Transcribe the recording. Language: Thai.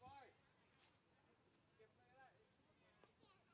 สวัสดีครับ